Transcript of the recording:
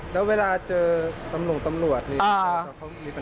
แล้วเวลาเจอตำรวจตำรวจนี่